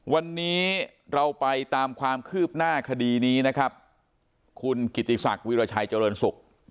วันนี้เราไปตามความคืบหน้าคดีนี้นะครับคุณกิติศักดิ์วิราชัยเจริญศุกร์